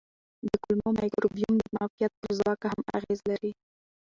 د کولمو مایکروبیوم د معافیت پر ځواک هم اغېز کوي.